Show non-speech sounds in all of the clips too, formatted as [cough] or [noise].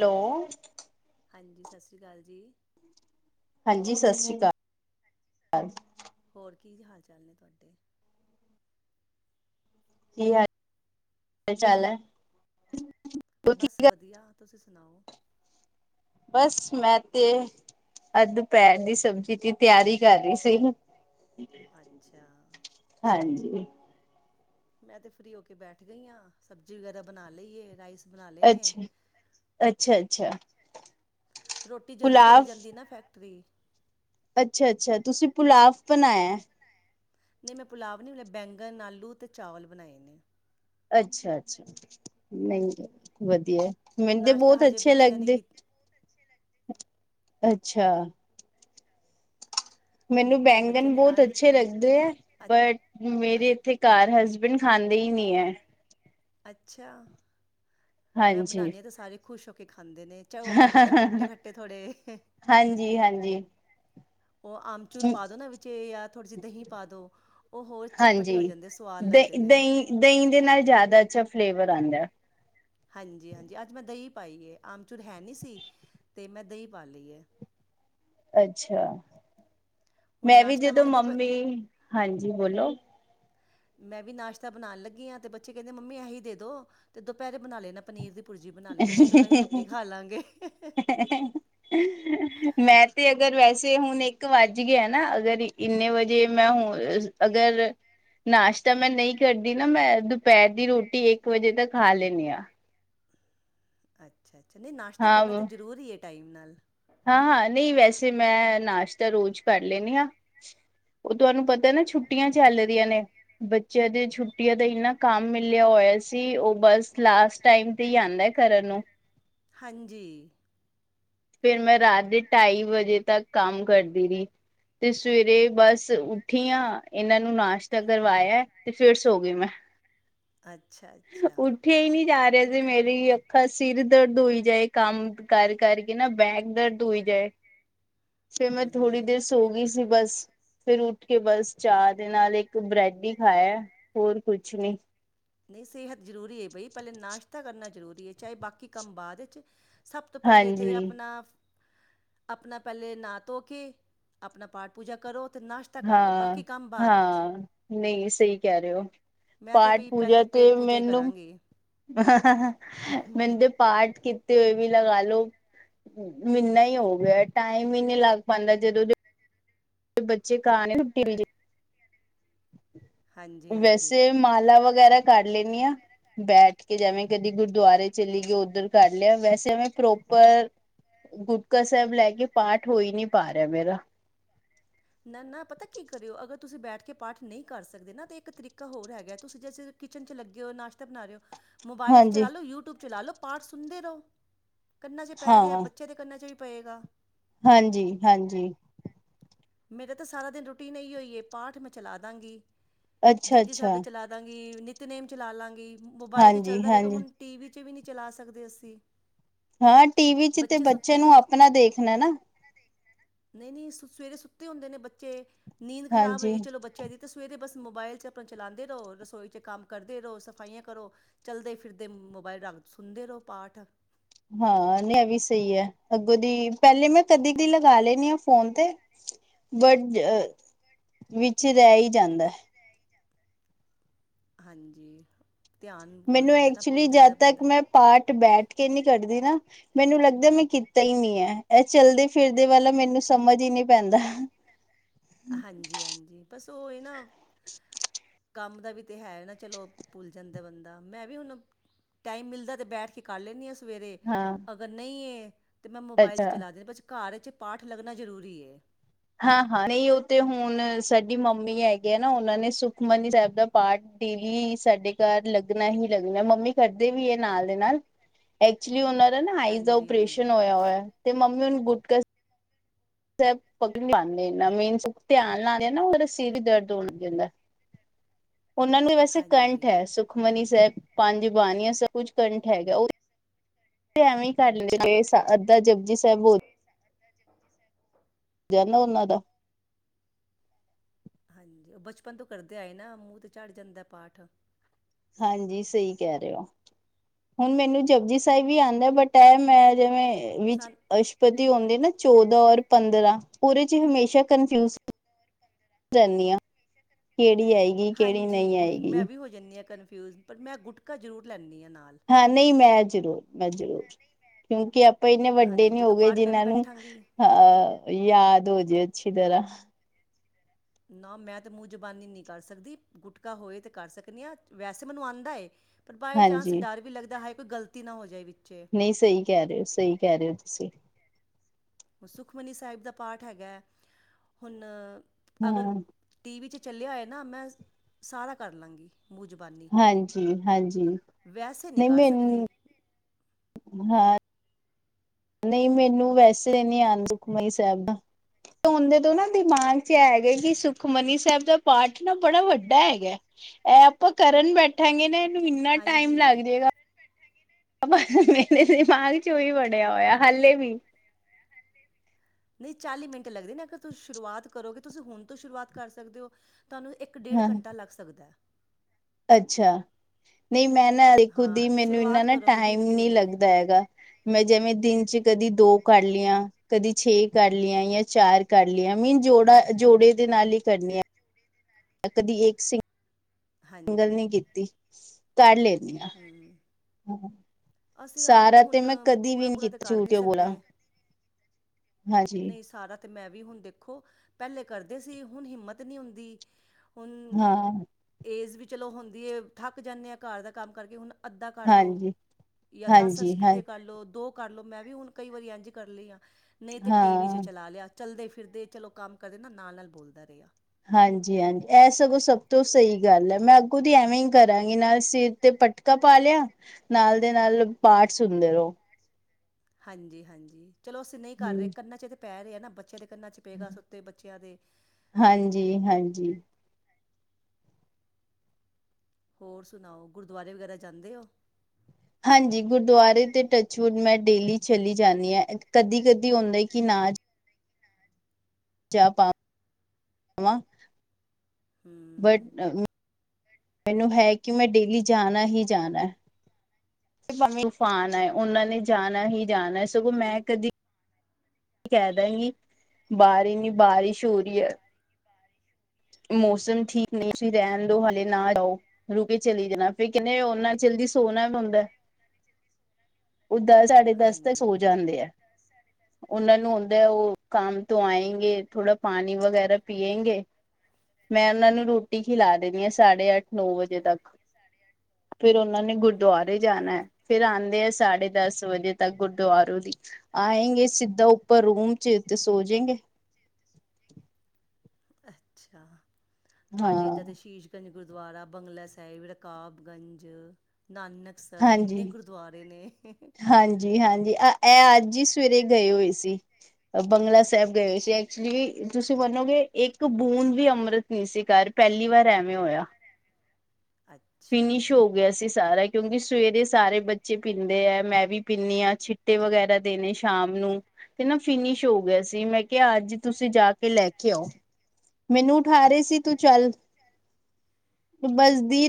ਹੋ ਹੈਲੋ ਹਾਂਜੀ ਸਤਿ ਸ਼੍ਰੀ ਅਕਾਲ ਜੀ ਹਾਂਜੀ ਸਤਿ ਸ਼੍ਰੀ ਅਕਾਲ ਹ ਹੋਰ ਕੀ ਹਾਲ ਚਾਲ ਨੇ ਤੁਹਾਡੇ? ਕੀ ਹਾਲ ਚਾਲ ਏ? ਬਸ ਵਧੀਆ ਤੁਸੀਂ ਸੁਣਾਓ ਬਸ ਮੈਂ ਤੇ ਅੱਜ ਦੁਪਿਹਰ ਦੀ ਸਬਜ਼ੀ ਤਿਆਰੀ ਕਰ ਰਹੀ ਸੀ ਹਾਂ ਅੱਛਾ ਹਾਂਜੀ। ਮੈਂ ਤੇ ਫਰੀ ਹੋ ਕੇ ਬੈਠ ਗਈ ਹਾਂ ਸਬਜ਼ੀ ਵਗੈਰਾ ਬਣਾ ਲਈਏ ਰਾਈਸ ਬਣਾ ਲੈ ਨੇ ਅੱਛਾ ਅੱਛਾ ਅੱਛਾ ਰੋਟੀ ਜਲਦੀ ਚਲੀ ਪੁਲਾਵ ਜਾਂਦੀ ਨਾ ਫੈਕਟਰੀ। ਅੱਛਾ ਅੱਛਾ ਤੁਸੀਂ ਪੁਲਾਵ ਬਣਾਇਆ ਨਹੀਂ ਮੈਂ ਪੁੁਲਾਵ ਨਹੀਂ ਮੈਂ ਬੈਂਗਨ, ਆਲੂ ਤੇ ਚਾਵਲ ਬਣਾਏ ਨੇ। ਅੱਛਾ ਅੱਛਾ ਨਹੀਂ ਵਧੀਆ। ਮੈਨ ਦੇ ਨਾਸ਼ਤਾ ਬਹੁਤ ਹਜੇ ਅੱਛੇ ਬੱਚਿਆਂ ਨੇ ਲੱਗਦੇ ਕੀ ਅੱਛਾ ਮੈਨੂੰ ਬੱਚਿਆਂ ਬੈਂਗਨ ਨੇ ਨਾ ਬਹੁਤ ਅੱਛੇ ਲੱਗਦੇ ਆ ਅੱ ਬਟ ਮੇਰੇ ਇੱਥੇ ਘਰ ਹਸਬੈਂਡ ਖਾਂਦੇ ਹੀ ਨਹੀਂ ਹੈ। ਅੱਛਾ ਮੈਂ ਹਾਂਜੀ ਬਣਾਣੀ ਹਾਂ ਤਾਂ ਸਾਰੇ ਖੁਸ਼ ਹੋ ਕੇ ਖਾਂਦੇ ਨੇ। ਚ ਉਹ ਬੰਦੇ ਨਾ ਖੱਟੇ ਖੱਟੇ ਥੋੜ੍ਹੇ ਹਾਂਜੀ ਹਾਂਜੀ। ਉਹ ਆਮਚੂਰ ਪਾ ਦੋ ਨਾ ਵਿੱਚ ਜਾਂ ਥੋੜ੍ਹੀ ਜਿਹੀ ਦਹੀਂ ਪਾ ਦੋ। ਉਹ ਹੋਰ ਚਟਪਟੇ ਹਾਂਜੀ ਹੋ ਜਾਂਦੇ ਸਆਦ ਦ ਲੱਗਦੇ ਨੇ। ਦਹੀਂ ਦਹੀਂ ਦੇ ਨਾਲ ਜਿਆਦਾ ਅੱਛਾ ਫਲੇਵਰ ਆਉਂਦਾ। ਹਾਂਜੀ ਹਾਂਜੀ ਅੱਜ ਮੈਂ ਦਹੀਂ ਪਾਈ ਏ ਆਮਚੂਰ ਹੈ ਨਹੀਂ ਸੀ ਅਤੇ ਮੈਂ ਦਹੀਂ ਪਾ ਲਈ ਏ। ਅੱਛਾ ਹੁਣ ਮੈਂ ਵੀ ਨਾਸ਼ਤਾ ਜਦੋਂ ਮੰਗਦੇ ਪ ਮੰਮੀ ਹਾਂਜੀ ਬੋਲੋ ਮੈਂ ਵੀ ਨਾਸ਼ਤਾ ਬਣਾਉਣ ਲੱਗੀ ਹਾਂ ਤੇ ਬੱਚੇ ਕਹਿੰਦੇ ਮੰਮੀ ਐਸੀਂ ਦੇ ਦੋ ਤੇ ਦੁਪਹਿਰੇ ਬਣਾ ਲੈਣਾ। ਪਨੀਰ ਦੀ ਭੁਰਜੀ ਬਣਾ ਲੈਂਣਾ ਅਸੀਂ ਤਾਂ ਭਾਈ ਰੋਟੀ ਖਾ ਲਵਾਂਗੇ। [inaudible] ਮੈਂ ਤੇ ਅਗਰ ਵੈਸੇ ਹੁਣ ਇੱਕ ਵੱਜ ਗਿਆ ਨਾ ਅਗਰ ਇੰਨੇ ਵਜੇ ਮੈਂ ਹ ਅਗਰ ਨਾਸ਼ਤਾ ਮੈਂ ਨਹੀਂ ਕਰਦੀ ਨਾ ਮੈਂ ਦੁਪਹਿਰ ਦੀ ਰੋਟੀ ਇੱਕ ਵਜੇ ਤਕ ਖਾ ਲੈਣੀ ਹਾਂ। ਅੱਛਾ ਅੱਛਾ ਨਹੀਂ ਨਾਸ਼ਤਾ ਹਾਂ ਕਰਨਾ ਤਾਂ ਜ਼ਰੂਰੀ ਹੈ ਟਾਈਮ ਨਾਲ। ਹਾਂ ਹਾਂ ਨਹੀਂ ਵੈਸੇ ਮੈਂ ਨਾਸ਼ਤਾ ਰੋਜ਼ ਕਰ ਲੈਣੀ ਹਾਂ। ਉਹ ਤੁਹਾਨੂੰ ਪਤਾ ਨਾ ਛੁੱਟੀਆਂ ਚੱਲ ਰੀਆਂ ਨੇ। ਬੱਚਿਆਂ ਦੇ ਛੁੱਟੀਆਂ ਦਾ ਇੰਨਾ ਕੰਮ ਮਿਲਿਆ ਹੋਇਆ ਸੀ ਉਹ ਬਸ ਲਾਸਟ ਟਾਈਮ ਤੇ ਹੀ ਆਉਂਦਾ ਕਰਨ ਨੂੰ। ਹਾਂਜੀ। ਫੇਰ ਮੈਂ ਰਾਤ ਦੇ ਢਾਈ ਵਜੇ ਤੱਕ ਕੰਮ ਕਰਦੀ ਰਹੀ। ਤੇ ਸਵੇਰੇ ਬਸ ਉੱਠੀ ਹਾਂ ਇਹਨਾਂ ਨੂੰ ਨਾਸ਼ਤਾ ਕਰਵਾਇਆ ਤੇ ਫਿਰ ਸੋ ਗਏ ਮੈਂ। [inaudible] ਅੱਛਾ ਅੱਛਾ। ਉੱਠਿਆ ਹੀ ਨਹੀਂ ਜਾ ਰਿਹਾ ਜੇ ਮੇਰੀ ਅੱਖਾਂ ਸਿਰ ਦਰਦ ਹੋਈ ਜਾਏ ਕੰਮ ਕਰ ਕਰਕੇ ਨਾ ਬੈਗ ਦਰਦ ਹੋਈ ਜਾਏ ਫਿਰ ਮੈਂ ਹਮ ਥੋੜੀ ਹਮ। ਦੇਰ ਸੋ ਗਈ ਸੀ ਬਸ। ਫੇਰ ਉੱਠ ਕੇ ਬਸ ਚਾਹ ਦੇ ਨਾਲ ਇੱਕ ਬ੍ਰੈਡ ਹੀ ਖਾਇਆ ਹੋਰ ਕੁਛ ਨੀ। ਨਹੀਂ ਸਿਹਤ ਜ਼ਰੂਰੀ ਹੈ ਬਈ ਨਾਸ਼ਤਾ ਕਰਨਾ ਜ਼ਰੂਰੀ ਹੈ ਚਾਹੇ ਬਾਕੀ ਕੰਮ ਬਾਅਦ ਵਿੱਚ। ਸਭ ਤੋਂ ਪਹਿਲੇ ਤਾਂ ਹਾਂਜੀ ਆਪਣਾ ਆਪਣਾ ਪਹਿਲੇ ਨਾਂ ਧੋ ਕੇ ਆਪਣਾ ਪਾਠ ਪੂਜਾ ਕਰੋ ਤੇ ਨਾਸ਼ਤਾ ਕਰ ਲਓ ਹਾਂ ਬਾਕੀ ਕੰਮ ਬਾਅਦ ਵਿੱਚ ਹਾਂ ਨਹੀਂ ਸਹੀ ਕਹਿ ਰਹੇ ਹੋ ਮੈਂ ਤੇ ਪਾਠ ਬਈ ਪੂਜਾ ਪਹਿਲੇ ਪੇਟ ਤੇ ਪੂਜਾ ਹੀ ਮੈਨੂੰ। ਕਰਾਂਗੀ ਮੈਨੂੰ ਪਾਠ ਕੀਤੇ ਹੋਏ ਵੀ ਲਗਾਲੋ ਮਹੀਨਾ ਹੀ ਹੋ ਗਿਆ ਟਾਈਮ ਹੀ ਨਹੀਂੀ ਲੱਗ ਪਾਦਾ ਜਦੋਂ ਦੇ ਬੱਚੇ ਘਰ ਨੇ ਛੁੱਟੀ ਵਿਚ ਹਾਂਜੀ ਹਾਂਜੀ ਵੈਸੇ ਮਾਲਾ ਵਗੈਰਾ ਕਰ ਲੈਣੀ ਆ। ਬੈਠ ਕੇ ਜਿਵੇਂ ਕਦੀ ਗੁਰਦੁਆਰੇ ਚਲੀ ਗਏ ਉੱਧਰ ਕਰ ਲਿਆ ਵੈਸੇ ਐਵੇਂ ਪ੍ਰੋਪਰ ਗੁਟਕਾ ਸਾਹਿਬ ਲੈ ਕੇ ਪਾਠ ਹੋਈ ਨਹੀਂ ਪਾ ਰਿਹਾ ਮੇਰਾ। ਨਾ ਨਾ ਪਤਾ ਕੀ ਕਰਿਓ ਅਗਰ ਤੁਸੀਂ ਬੈਠ ਕੇ ਪਾਠ ਨਹੀਂ ਕਰ ਸਕਦੇ ਨਾ ਤਾਂ ਇੱਕ ਤਰੀਕਾ ਹੋਰ ਹੈਗਾ ਤੁਸੀਂ ਕਿਚਨ ਚ ਲੱਗੇ ਹੋਓ ਨਾਸ਼ਤਾ ਬਣਾ ਰਹੇਓ ਮੋਬਾਈਲ 'ਚ ਚਲਾ ਹਾਂਜੀ ਲੋ ਯੂਟਿਊਬ ਚਲਾ ਲਓ ਪਾਠ ਸੁਣਦੇ ਰਹੋ ਕੰਨਾ 'ਚ ਪੈ ਹਾਂ ਰਿਹੇ ਆ ਬੱਚੇ ਦੇ ਕੰਨਾ 'ਚ ਪਏਗਾ। ਹਾਂਜੀ ਹਾਂਜੀ। ਮੇਰਾ ਤਾਂ ਸਾਰਾ ਦਿਨ ਰੂਟੀਨ ਇਹੀ ਹੋਈ ਹੈ ਪਾਠ ਮੈਂ ਚਲਾ ਦਾਂਗੀ ਅੱਛਾ ਜਪਜੀ ਸਾਹਿਬ ਅੱਛਾ ਦੇ ਚਲਾ ਦਾਗੀ ਨਿਤਨੇਮ ਚਲਾ ਲਾਂਗੀ ਮੋਬਾਇਲ ਤੇ ਹਾਂਜੀ ਚੱਲਦਾ ਰਹੇਗਾ ਹਾਂਜੀ ਹੁਣ ਟੀ ਵੀ ਚ ਵੀ ਨਹੀਂ ਚਲਾ ਸਕਦੇ ਅਸੀਂ। ਹਾਂ ਟੀਵੀ ਚ ਤੇ ਬੱਚੇ ਸੁੱਤੇ ਨੂੰ ਹੋ- ਆਪਣਾ ਦੇਖਣਾ ਨਾ। ਨਹੀਂ ਨਹੀਂ ਸਵੇਰੇ ਸੁੱਤੇ ਹੁੰਦੇ ਨੇ ਬੱਚੇ ਨੀਂਦ ਖ਼ਰਾਬ ਹਾਂਜੀ ਹੋਏਗੀ ਚਲੋ ਬੱਚਿਆਂ ਦੀ ਤੇ ਸਵੇਰੇ ਬਸ ਮੋਬਾਈਲ 'ਚ ਆਪਣਾ ਚਲਉਦੇ ਰਹੋ ਰਸੋਈ 'ਚ ਕੰਮ ਕਰਦੇ ਰਹੋ ਸਫਾਈਆਂ ਕਰੋ। ਚਲਦੇ ਫਿਰਦੇ ਮੋਬਾਈਲ ਰ ਸੁਣਦੇ ਰਹੋ ਪਾਠ ਆ। ਹਾਂ, ਨਹੀ ਐਵੀ ਸਹੀ ਐ, ਅੱਗੋਂ ਦੀ ਪਹਿਲੇ ਮੈਂ ਕਦੀ ਲਗਾ ਲੇਨੀ ਆ ਫੋਨ ਤੇ। ਬ ਅਹ, ਵਿੱਚ ਰਹਿ ਹੀ ਜਾਂਦੈ। ਹਾਂਜੀ। ਧਿਆਨ ਹੋ ਮੈਨੂੰ ਜਾਂਦਾ ਨਾ, ਭੁੱਲ ਐਕਚੁਲੀ ਜਦ ਜਾਂਦਾ ਤੱਕ ਬੰਦਾ। ਮੈਂ ਪਾਠ ਬੈਠਕੇ ਨੀ ਕਰਦੀ ਨਾ ਮੈਨੂੰ ਲੱਗਦਾ ਮੈਂ ਕੀਤਾ ਹੀ ਨਹੀਂ ਐ, ਐ ਚੱਲਦੇ-ਫਿਰਦੇ ਵਾਲਾ ਮੈਨੂੰ ਸਮਝ ਹੀ ਨਹੀਂ ਪੈਂਦਾ। ਹਾਂਜੀ-ਹਾਂਜੀ, ਬਸ ਉਹ ਏ ਨਾ ਕੰਮ ਦਾ ਵੀ ਤੇ ਹੈ ਨਾ ਚਲੋ, ਭੁੱਲ ਜਾਂਦਾ ਬੰਦਾ। 'ਮੈਂ' ਵੀ ਹੁਣ ਟਾਈਮ ਮਿਲਦਾ ਤਾਂ ਬੈਠਕੇ ਕਰ ਲੈਂਨੀ ਹਾਂ ਸਵੇਰੇ, ਹਾਂ ਅਗਰ ਨਹੀਂ ਏ, ਇਹ ਤਾ 'ਮੈਂ' ਮੋਬਾਇਲ 'ਚ ਅੱਛਾ ਚਲਾਦੇ ਬ ਘਰ'ਚ ਪਾਠ ਲੱਗਣਾ ਜ਼ਰੂਰੀ ਏ। ਹਾਂ-ਹਾਂ, ਨਹੀਂ ਉਹ ਤੇ ਹੁਣ ਸਾਡੀ ਮੰਮੀ ਹੈਗੀ ਆ ਨਾ ਉਹਨਾਂ ਨੇ ਸੁਖਮਨੀ ਸਾਹਿਬ ਦਾ ਪਾਠ ਡੇਲੀ ਸਾਡੇ ਘਰ ਲੱਗਣਾ ਹੀ ਲੱਗਣਾ ਮੰਮੀ ਕਰਦੇ ਵੀ ਹੈ ਨਾਲ ਦੇ ਨਾਲ। ਐਕਚੁਲੀ ਉਹਨਾਂ ਦਾ ਨਾ ਆਈਜ ਦਾ ਹਾਂਜੀ ਹਾਂਜੀ ਓਪਰੇਸ਼ਨ ਹੋਇਆ ਹੋਇਆ, ਤੇ ਮੰਮੀ ਉਹ ਗੁੱਟਕ ਪਗ ਪਾਂਦੇ, ਮੀਨਸ ਧਿਆਨ ਲਾਲਿਆ ਨਾ ਉਹ ਸਿਰ ਹੀ ਦਰਦ ਹੋਣ ਲਗ ਜਾਂਦਾ। ਉਹਨਾਂ ਨੂੰ ਵੈਸੇ ਕੰਠ ਹਾਂਜੀ ਹੈ, ਸੁਖ ਸੁਖਮਨੀ ਸਾਹਿਬ, ਪੰਜ ਬਾਣੀਆਂ ਸਭ ਕੁਝ ਕੰਠ ਹੈਗਾ। ਉਹ ਐਵੇਂ ਕਰ ਲੇਂਦੇ, ਅੱਧਾ ਜਪੁਜੀ ਸਾਹਿਬ ਬੋ [inaudible] ਜਪੁ ਜੀ ਸਾਹਿਬ ਜਾਨਾ ਓਹਨਾਂ ਦਾ। ਹਾਂਜੀ, ਉਹ ਬਚਪਨ ਤੋਂ ਕਰਦੇ ਆਏ ਨਾ, ਮੂੰਹ ਤੇ ਚੜ ਜਾਂਦਾ ਪਾਠ। ਹਾਂਜੀ, ਸਹੀ ਕਹਿ ਰਹੇ ਹੋ। ਹੁਣ ਮੈਨੂੰ ਜਪੁਜੀ ਸਾਹਿਬ ਵੀ ਆਂਦਾ ਬਟ ਐ 'ਮੈਂ' ਜਿਵੇਂ ਵਿੱਚ ਸਾਨ ਅਸ਼ਪਤੀ ਹੁੰਦੇ ਨਾ ਚੌਦਾਂ ਔਰ ਪੰਦਰਾਂ, ਉਹਦੇ'ਚ ਹਮੇਸ਼ਾ ਕਨਫਿਊਜ ਜਾਂਨੀ ਆਂ, ਕਿਹੜੀ ਆਈ ਹਾਂਜੀ! 'ਮੈਂ' ਵੀ ਹੋ ਜਾਂਨੀ ਹਾੰ ਕਨਫਿਊਜ਼, ਪਰ ਮੈਂ ਗੁਟਕਾ ਜ਼ਰੂਰ ਲੈਂਨੀ ਆਂ, ਨਾਲ। ਹਾਂ, ਨਹੀਂ, ਮੈਂ ਜ਼ਰੂਰ। ਮੈਂ ਜ਼ਰੂਰ, ਕਿਉਂਕਿ ਆਪਾਂ ਇੰਨੇ ਵੱਡੇ ਹਾਂਜੀ ਨੀ ਹੋ ਜਦੋਂ ਗਏ ਪਾਠ ਕਰਨ ਜਿਨਾਂ ਨੂੰ, ਬੈਠਾਂਗੀ ਅਹ ਯਾਦ ਹੋਜੇ ਅੱਛੀ ਤਰ੍ਹਾ। ਨਾ, ਮੈਂ ਤਾਂ ਮੂੰਹ ਜਬਾਨੀ ਨਹੀਂ ਕਰ ਸਕਦੀ। ਗੁਟਕਾ ਹੋਏ ਤੇ ਕਰ ਸਕਦੀ ਹਾਂ, ਵੈਸੇ ਮਨੂ ਆਂਦਾ ਏ। ਪਰ ਬਾਈਚਾਂਸ ਹਾਂਜੀ ਡਰ ਵੀ ਲੱਗਦਾ, ਹਾਏ ਕੋਈ ਗਲਤੀ ਨਾ ਹੋਜੇ ਵਿੱਚੇ। ਨਹੀਂ ਸਹੀ ਕਹਿ ਰਹੇ ਹੋ, ਸਹੀ ਕਹਿ ਰਹੇ ਹੋ, ਤੁਸੀ। ਹੁਨ 'ਸੁਖਮਨੀ ਸਾਹਿਬ' ਦਾ ਪਾਠ ਹੈਗਾ। ਹੁੱਨ, ਅਗਰ ਹਾਂ ਟੀਵੀ 'ਚ ਚੱਲਿਆ ਹੋਇਆ ਨਾ, ਮੈਂ ਸਾਰਾ ਕਰਲਾਂਗੀ। ਮੂੰਹ ਜਬਾਨੀ। ਹਾਂਜੀ ਹਾਂਜੀ ਵੈਸੇ, ਨਹੀਂ ਕਰ ਸਕਦੀ। ਹਾਂ ਨਹੀਂ, ਮੈਨੂੰ ਵੈਸੇ ਨੀ ਆਂਦ 'ਸੁੁਖਮਨੀ ਸਾਹਿਬ'। ਓਂਦੇ ਤੋਂ ਨਾ ਦਿਮਾਗ'ਚ ਇਹ ਹੈਗਾ, ਕਿ ਸੁਖਮਨੀ ਸਾਹਿਬ ਦਾ ਪਾਠ ਨਾ ਬੜਾ ਵੱਡਾ ਹੈਗਾ। ਐ ਆਪਾ ਕਰਨ ਬੈਠਾਂਗੇ ਨਾ, ਇਹਨੂੰ ਇੰਨਾ ਹਾਂਜੀ। ਟਾਈਮ ਕਰਨ ਲੱਗਜੇਗਾ। ਪਰ, ਮੇਰੇ ਦਿਮਾਗ'ਚ ਓਹੀ ਵੜਿਆ ਹੋਇਆ, ਹੱਲੇ ਵੀ। ਵੀ। ਨਹੀਂ ਚਾਲੀ ਮਿੰਟ ਲੱਗਦੇ ਨੇ ਅਗਰ ਤੁਸੀਂ ਸ਼ੁਰੂਆਤ ਕਰੋਗੇ, ਤੁਸੀਂ ਹੁਣ ਤੋਂ ਸ਼ੁਰੂਆਤ ਕਰ ਸਕਦੇ ਹੋ, ਤੁਹਾਨੂੰ ਇੱਕ ਇੱਕ-ਡੇਢ ਹਾਂ ਘੰਟਾ ਲੱਗ ਸਕਦਾ। ਅੱਛਾ। ਨਹੀਂ, ਮੈਂ ਨਾ ਦੇਖੋ ਦੀ, ਹਾਂ ਮੈਨੂੰ ਇਨਾ ਸ਼ੁਰੂਆਤ ਨਾ ਕਰੋਗੇ ਟਾਈਮ ਧੀਰੇ ਨੀ ਧੀਰੇ ਲੱਗਦਾ ਹੈਗਾ। ਮੈਂ ਜਿਵੇਂ, ਦਿਨ'ਚ ਕਦੀ ਦੋ ਕਰਲੀਆਂ। ਕਦੀ ਛੇ ਕਰਲੀਆ, ਯਾ ਚਾਰ ਕਰਲੀਆ ਮੀਨ ਜੋੜਾ, ਜੋੜੇ ਦੇ ਨਾਲ ਹੀ ਕਰਨੀਆਂ। ਕਦੀ ਇੱਕ ਸਿੰਗਲ ਹਾਂਜੀ। ਨਹੀਂ ਕੀਤੀ, ਕਰ ਲੇਨੀ ਆਂ। ਹੂੰ ਹਾਂ ਅਸੀ ਆਪ ਹੁਣ, ਪੂਰਾ-ਪੂਰਾ ਤੇ ਕਰ ਝੂਠ ਨਹੀਂ ਕਿਉਂ ਬੋਲਾ ਸਕਦੇ। ਹਾਂਜੀ ਨਹੀਂ ਸਾਰਾ ਤੇ ਮੈਂ ਵੀ ਹੁਣ ਦੇਖੋ, ਪਹਿਲੇ ਕਰਦੇ ਸੀ ਹੁਣ ਹਿੰਮਤ ਨੀ ਹੁੰਦੀ। ਹੁਣ ਹਾਂ। ਏਜ਼ ਵੀ ਚਲੋ ਹੁੰਦੀ ਏ, ਥੱਕ ਜਾਂਨੇ ਹਾਂ ਘਰ ਦਾ ਕੰਮ ਕਰਕੇ, ਹੁਣ ਅੱਧਾ ਕਰ ਲਉ ਹਾਂਜੀ ਜਾਂ ਦਸ ਹਾਂਜੀ ਹਾਂ ਅਸਟਪਦੀਆ ਕਰ ਲਓ ਦੋ ਕਰ ਲਓ ਮੈਂ ਵੀ ਹੁਣ ਕਈ ਵਾਰੀ ਇਂਝ ਹੀ ਕਰ ਲਈ ਆ ਨਹੀਂ ਤਾਂ ਟੀ ਵੀ ਚ ਹਾਂ। ਚਲਾ ਲਿਆ ਚੱਲਦੇ ਫਿਰਦੇ ਚਲੋ ਕੰਮ ਕਰਦੇ ਨਾ ਨਾਲ ਨਾਲ ਬੋਲਦਾ ਰਿਹਾ ਹਾਂਜੀ ਹਾਂਜੀ ਇਹ ਸਗੋਂ ਸਭ ਤੋਂ ਸਹੀ ਗੱਲ ਹੈ ਮੈਂ ਅੱਗੋਂ ਦੀ ਐਵੇਂ ਹੀ ਕਰਾਂਗੀ ਨਾਲ ਸਿਰ ਤੇ ਪਟਕਾ ਪਾ ਲਿਆ ਨਾਲ ਦੇ ਨਾਲ ਪਾਠ ਸੁਣਦੇ ਰਹੋ ਹਾਂਜੀ ਹਾਂਜੀ ਚਲੋ ਅਸੀਂ ਨਹੀਂ ਕਰ ਹਮ ਰਹੇ ਕੰਨਾਂ ਚ ਤੇ ਪੈ ਰਹੇ ਆ ਨਾ ਬੱਚਿਆਂ ਦੇ ਕੰਨਾਂ ਚ ਪੇਗਾ ਸੁੱਤੇ ਬੱਚਿਆਂ ਦੇ ਹਾਂਜੀ ਹਾਂਜੀ, ਹੋਰ ਸੁਣਾਓ ਗੁਰਦੁਆਰੇ ਵਗੈਰਾ ਜਾਂਦੇ ਹੋ ਹਾਂਜੀ ਗੁਰਦੁਆਰੇ ਤੇ ਟਚਵੁੱਡ ਮੈਂ ਡੇਲੀ ਚਲੀ ਜਾਂਦੀ ਹਾਂ ਕਦੀ ਕਦੀ ਹੁੰਦਾ ਕਿ ਨਾ ਚ ਪਾ [unintelligible] ਹਮਮਮਮ ਬਟ ਮੈਨੂੰ ਹੈ ਕਿ ਮੈਂ ਡੇਲੀ ਜਾਣਾ ਹੀ ਜਾਣਾ ਭਾਵੇਂ ਉਫਾਨ ਆਏ ਉਹਨਾਂ ਨੇ ਜਾਣਾ ਹੀ ਜਾਣਾ ਸਗੋਂ ਮੈਂ ਕਦੀ ਕਹਿਦਾਗੀ ਬਾਹਰ ਏਨੀ ਬਾਰਿਸ਼ ਹੋ ਰਹੀ ਹੈ। ਮੌਸਮ ਠੀਕ ਨਹੀਂ ਰਹਿਣ ਦਓ ਹਾਲੇ ਨਾ ਜਾਓ। ਰੁਕ ਕੇ ਚਲੀ ਜਾਣਾ ਫਿਰ ਕਹਿੰਦੇ ਓਨਾ ਜਲਦੀ ਸੋਨਾ ਵੀ ਹਉਦਾ ਉਹ ਦਸ ਸਾਢੇ ਦਸ ਤੇ ਹਾਂਜੀ ਸੋ ਜਾਂਦੇ ਹੈ ਉਹਨਾਂ ਨੂੰ ਹੁੰਦਾ ਉਹ ਕੰਮ ਤੌ ਆਏਂਗੇੇ ਥੋੜਾ ਪਾਣੀ ਵਗੈਰਾ ਪੀਏਗੇ ਮੈਂ ਉਹਨਾਂ ਨੂੰ ਰੋਟੀ ਖਿਲਾ ਦੇਣੀਆਂ ਸੀ ਸਾਢੇ ਅੱਠ ਨੌ ਵਜੇ ਤੱਕ ਫਿਰ ਉਹਨਾਂ ਨੇ ਗੁਰਦੁਆਰੇ ਜਾਣਾ ਹੈ ਫਿਰ ਆਉਂਦੇ ਆ ਸਾਢੇ ਦਸ ਵਜੇ ਤੱਕ ਗੁਰਦੁਆਰੋ ਦੀ। ਆਏਂਗੇ ਸਿੱਧਾ ਉਪੱਰ ਰੂਮ ਚ ਤੇ ਸੋਜੇਗੇ। ਅੱਛਾ! ਹਾਂ ਤੁਹਾਡੇ ਏਦਾਂ ਤੇ ਸ਼ੀਸ਼ ਧੰਨ ਗੁਰਦੁਆਰਾ ਬੰਗਲਾ ਸਾਹਿਬ ਰਕਾਬ ਗੰਜ ਨਾਨਕ ਸਾਰ ਹਾਂਜੀ ਕਿੰਨੇ ਗੁਰ ਦੁਆਰੇ ਨੇ ਹੀ ਹੀ ਹੀ ਹਾਂਜੀ, ਹਾਂਜੀ ਅ ਇਹ ਅੱਜ ਹੀ ਸਵੇਰੇ ਗਏ ਹੋਏ ਸੀ। ਬੰਗਲਾ ਸਾਹਿਬ ਗਏ ਸੀ ਐਕਚੁੱਲੀ ਤੁਸੀਂ ਮੰਨੋਗੇ ਇੱਕ ਬੂੰਦ ਵੀ ਅੰਮ੍ਰਿਤ ਨ ਸੀ ਘਰ ਪਹਿਲੀ ਵਾਰ ਐਵੇਂ ਹੋਇਆ ਅੱਛਾ ਫਿਨਿਸ਼ ਹੋ ਗਿਆ ਸੀ ਸਾਰਾ ਕਿਉਂਕਿ ਸਵੇਰੇ ਸਾਰੇ ਬੱਚੇ ਪੀਂਦੇ ਹੈ। ਮੈਂ ਵੀ ਪੀਨੀ ਹਾਂ ਛਿੱਟੇ ਵਗੈਰਾ ਦੇਣੇ ਸ਼ਾਮ ਨੂੰ ਤੇ ਨਾ ਫਿਨਿਸ਼ ਹੋ ਗਿਆ ਸੀ ਮੈਂ ਕਿ ਅੱਜ ਤੁਸੀਂ ਜਾ ਕੇ ਲੈ ਕੇ ਆਓ। ਮੈਨੂੰ ਉਠਾ ਰਹੇ ਸੀ ਤੂੰ ਚੱਲ ਬਸਦੀ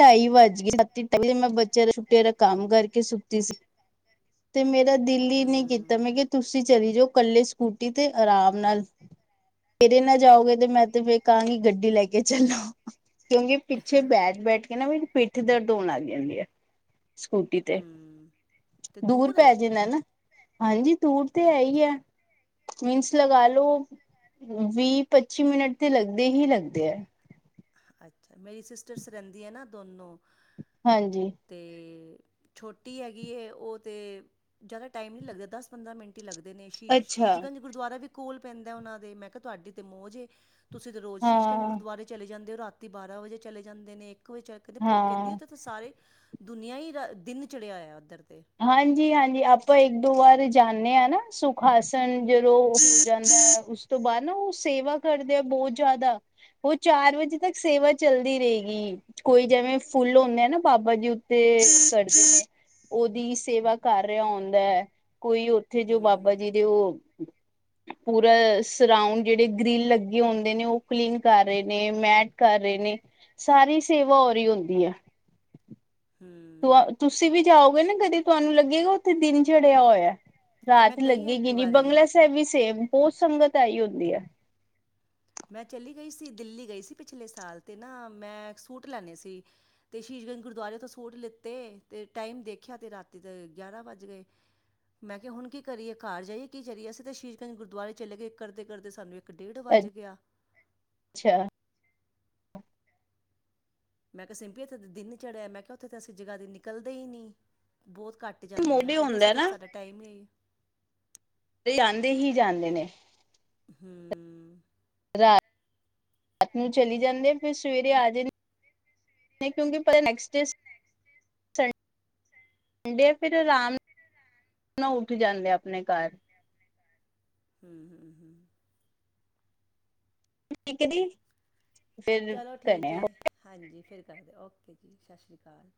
ਢਾਈ ਵੱਜ ਗਏ ਸਤੀਾਈੇ ਮੈਂ ਬੱਚਿਆਂ ਦਾ ਛੁੱਟੀਆਂ ਦਾ ਕੰਮ ਕਰਕੇ ਸੁੱਤੀ ਸੀ ਤੇ ਮੇਰਾ ਦਿਲ ਹੀ ਨਹੀਂ ਕੀਤਾ ਹੂੰ। ਮੈਂ ਕਿ ਤੁਸੀਂ ਚਲੀ ਜਾਓ ਇਕੱਲੇ ਸਕੂਟੀ ਤੇ ਆਰਾਮ ਨਾਲ। ਤੇਰੇ ਨਾ ਜਾਓਗੇ ਤੇ ਮੈਂ ਤੇ ਫਿਰ ਕਹਾਂਗੀ ਗੱਡੀ ਲੈ ਕੇ ਚੱਲੋ ਕਿਉਂਕਿ ਪਿੱਛੇ ਬੈਠ ਬੈਠ ਕਹਿੰਦਾ ਮੇਰੀ ਪਿੱਠ ਦਰਦ ਹੋਣ ਲੱਗ ਜਾਂਦੀ ਹੈ ਸਕੂਟੀ ਤੇ ਹਮਮਮ ਦੂਰ ਪੈ ਜਾਣਾਂ ਨਾ ਹਾਂਜੀ ਦੂਰ ਤੇ ਹੈ ਅੱਛਾ, ਹੀ ਆ ਮੀਨਸ ਲਗਾ ਲੋ ਵੀਹ ਪੱਚੀ ਮਿੰਟ ਤੇ ਲੱਗਦੇ ਹੀ ਲੱਗਦੇ ਹੈ ਅੱਛਾ! ਮੇਰੀ ਸਿਸਟਰ ਸਰਹਿੰਦੀ ਹੈ ਨਾ ਦੋਨੋਂ ਹਾਂਜੀ ਤੇ ਛੋਟੀ ਹੈਗੀ ਹੈ ਉਹ ਤੇ ਜ਼ਿਆਦਾ ਟਾਈਮ ਨਹੀਂ ਲੱਗਦਾ ਦਸ ਪੰਦਰਾਂ ਮਿੰਟ ਟੀ ਲੱਗਦੇ ਨੇ ਸ਼ੀਸ਼ ਅੱਛਾ ਸ਼ੀਸ਼ਗੰਜ ਗੁਰਦੁਆਰਾ ਵੀ ਕੋਲ ਪੈਂਦਾ ਉਹਨਾ ਦੇ ਮੈਂ ਕਿਹਾ ਤੁਹਾਡੀ ਤੇ ਮੌਜ ਤੁਸੀਂ ਤੇ ਰੋਜ਼ ਸ਼ੀਸ਼ਗੰਜ ਹਾਂ ਗੁਰਦੁਆਰੇ ਚਲੇ ਜਾਂਦੇ ਹੋ ਰਾਤੀ ਬਾਰਾਂ ਵਜੇ ਚਲੇ ਜਾਂਦੇ ਨੇ ਇੱਕ ਵਜੇ ਚ ਕਦੇੋ ਕਹਿੰਦੀ ਆ। ਹਾਂ ਸਾਰੇ ਦੁਨੀਆਂ ਹੀ ਦਿਨ ਚੜਿਆ ਹੋਇਆ ਉੱਧਰ ਤੇ ਹਾਂਜੀ ਹਾਂਜੀ ਆਪਾਂ ਇੱਕ ਦੋ ਵਾਰ ਜਾਂਦੇ ਹਾਂ ਨਾ ਸੁਖਾਸਨ ਜਦੋਂ ਜਾਂਦਾ ਉਸ ਤੋਂ ਬਾਅਦ ਨਾ ਉਹ ਸੇਵਾ ਕਰਦੇ ਆ ਬਹੁਤ ਜ਼ਿਆਦਾ ਉਹ ਚਾਰ ਵਜੇ ਤੱਕ ਸੇਵਾ ਚੱਲਦੀ ਰਹੇਗੀ। ਕੋਈ ਜਿਵੇਂ ਫੁੱਲ ਹੁੰਦੇ ਆ, ਨਾ ਬਾਬਾ ਜੀ ਉੱਤੇ ਸਿੱਟਦੇ ਨੇ। ਉਹਦੀ ਸੇਵਾ ਕਰ ਰਿਹਾ ਹੁੰਦਾ, ਕੋਈ ਉੱਥੇ ਜੋ ਹੂੰ, ਹੂੰ, ਬਾਬਾ ਜੀ ਦੇ ਉਹ ਪੂਰਾ ਸਰਾਉਂਡ ਜਿਹੜੇ ਗ੍ਰਿਲ ਲੱਗੇ ਹੁੰਦੇ ਨੇ, ਉਹ ਕਲੀਨ ਕਰ ਰਹੇ ਨੇ, ਮੈਟ ਕਰ ਰਹੇ ਨੇ। ਸਾਰੀ ਸੇਵਾ ਹੋ ਰਹੀ ਹੁੰਦੀ ਐ। ਹੂੰ। ਤੁਸੀਂ ਵੀ ਜਾਓਗੇ ਨਾ ਕਦੇ ਤੁਹਾਨੂੰ ਲੱਗੇਗਾ, ਉੱਥੇ ਦਿਨ ਚੜਿਆ ਹੋਇਆ। ਮੈਂ ਰਾਤ ਗਈ ਹਾਂ ਇੱਕ ਲੱਗੇਗੀ ਨੀ, ਵਾਰੀ ਬੰਗਲਾ ਸਾਹਿਬ ਵੀ ਸੇਮ ਬਹੁਤ ਸੰਗਤ ਆਈ ਹੁੰਦੀ ਐ। ਮੈਂ ਚੱਲੀ ਗਈ ਸੀ ਦਿੱਲੀ ਗਈ ਸੀ ਪਿਛਲੇ ਸਾਲ, ਤੇ ਨਾ ਮੈਂ ਇੱਕ ਸੂਟ ਲੈਂਨੇ ਸੀ। ਤੇ ਸ਼ੀਸ਼ ਗੰਜ ਗੁਰਦੁਆਰੇ ਤੋਂ ਸੂਟ ਲਿੱਤੇ, ਤੇ ਟਾਈਮ ਦੇਖਿਆ ਤੇ ਰਾਤੀ ਦੇ ਗਿਆਰਾਂ ਵੱਜ ਗਏ। ਮੈਂ ਕਿਹਾ ਹੁਣ ਕੀ ਕਰੀਏ ਘਰ ਜਾਈਏ ਕੀ ਕਰੀਏ, ਅਸੀਂ ਤਾਂ ਸ਼ੀਸ਼ਗੰਜ ਗੁਰਦੁਆਰੇ ਚਲੇ ਗਏ, ਕਰਦੇ-ਕਰਦੇ ਸਾਨੂੰ ਇੱਕ ਇੱਕ ਡੇਢ ਵੱਜ ਗਿਆ। ਅੱਛਾ। ਮੈਂ ਕਿਹਾ ਸਿੰਪੀ ਇੱਥੇ ਤਾਂ ਦਿਨ ਨੀ ਚੜਿਆ, ਮੈਂ ਕਿਹਾ ਉੱਥੇ ਤਾਂ ਅਸੀਂ ਜਗ੍ਹਾ ਦੀ ਨਿਕਲਦੇ ਹੀ ਨਈ, ਬਹੁਤ ਘੱਟ ਜਾਂਨੇ ਆਂ, ਮੋਢੇ ਕਹਿੰਦੇ ਹੁੰਦਾ ਅਸੀਂ ਤੇ ਨਾ ਸਾਡਾ ਟਾਈਮ ਇਹੀ ਆ। ਇਹ ਜਾਂਦੇ ਹੀ ਜਾਂਦੇ ਨੇ। ਹੂੰ, ਰਾਤ-ਰਾਤ ਨੂੰ ਚਲੀ ਜਾਂਦੇ ਨਾ। ਸਵੇਰੇ ਆ ਜਾਣੇ, ਕਿਉਂਕਿ ਪਤਾ ਨੈਕਸਟ ਡੇਜ਼ ਹੁੰਦੇ ਆ, ਫਿਰ ਆਰਾਮ ਨਾਲ ਉੱਠ ਜਾਂਦੇ ਆ ਆਪਣੇ ਘਰ। ਹੂੰ-ਹੂੰ-ਹੂੰ। ਮੈਂ ਕਦੀ ਚਲੋ ਠੀਕ ਐ, ਹਾਂਜੀ ਫਿਰ ਕਰ ਦਿਓ, ਓਕੇ ਜੀ ਸਸ ਰੀ ਕਾਲ।